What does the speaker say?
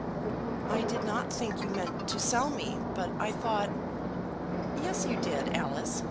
"I did not think you meant to sell me, but I thought " "Yes, you did, Alice.